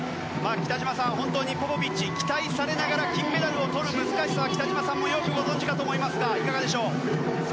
北島さんポポビッチ、期待されながら金メダルをとる難しさは北島さんもよくご存じかと思いますがいかがでしょう？